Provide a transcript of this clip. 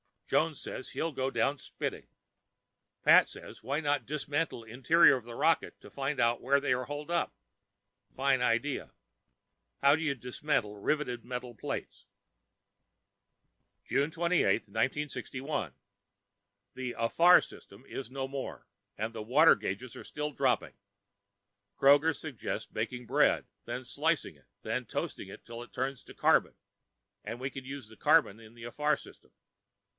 Jones says he'll go down spitting. Pat says why not dismantle interior of rocket to find out where they're holing up? Fine idea. How do you dismantle riveted metal plates? June 28, 1961 The AFAR system is no more and the water gauges are still dropping. Kroger suggests baking bread, then slicing it, then toasting it till it turns to carbon, and we can use the carbon in the AFAR system.